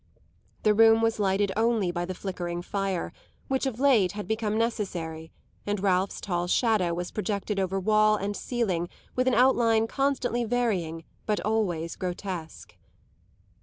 The room was lighted only by the flickering fire, which of late had become necessary, and Ralph's tall shadow was projected over wall and ceiling with an outline constantly varying but always grotesque.